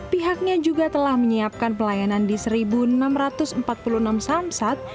pihaknya juga telah menyiapkan pelayanan di satu enam ratus empat puluh enam samsat